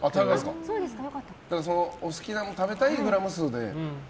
お好きな食べたいグラム数で。